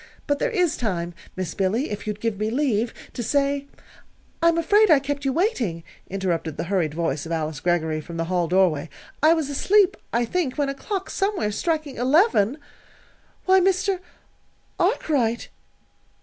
"But there is time, Miss Billy if you'd give me leave to say " "I'm afraid I kept you waiting," interrupted the hurried voice of Alice Greggory from the hall doorway. "I was asleep, I think, when a clock somewhere, striking eleven Why, Mr. Arkwright!"